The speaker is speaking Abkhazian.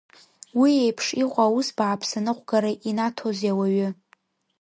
Уи еиԥш иҟоу аус бааԥс аныҟәгара инаҭозеи ауаҩы?